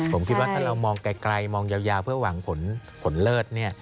ผมคิดว่าถ้าเรามองไกลมองยาวเพื่อหวังผลเลิศเนี่ย